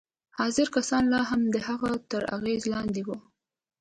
حاضر کسان لا هم د هغه تر اغېز لاندې وو